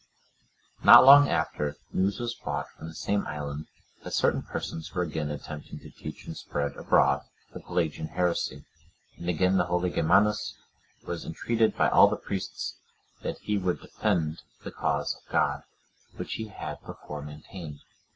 ] Not long after, news was brought from the same island, that certain persons were again attempting to teach and spread abroad the Pelagian heresy, and again the holy Germanus was entreated by all the priests, that he would defend the cause of God, which he had before maintained.